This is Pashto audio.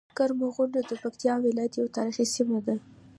کرمو غونډۍ د پکتيکا ولايت یوه تاريخي سيمه ده.